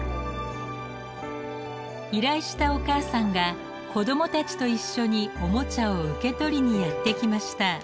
依頼したお母さんが子どもたちと一緒におもちゃを受け取りにやって来ました。